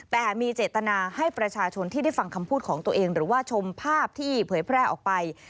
แต่มีเจตนาให้ประชาชนที่ได้ฟังคำพูดของตัวเองหรือว่าชมภาพที่เผยแพร่ออกไป